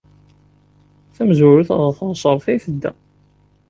Tamezwarut, ɣer teɣsert ay tedda.